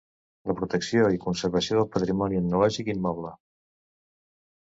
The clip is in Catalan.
La protecció i conservació del patrimoni etnològic immoble.